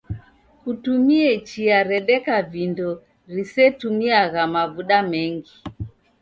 Kutumie chia redeka vindo risetumiagha mavuda mengi.